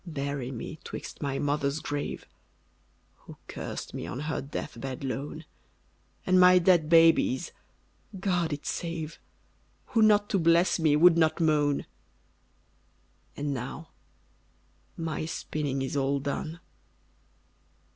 Bury me 'twixt my mother's grave, (Who cursed me on her death bed lone) And my dead baby's (God it save!) Who, not to bless me, would not moan. And now my spinning is all done.